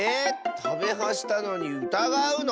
「たべは」したのにうたがうの？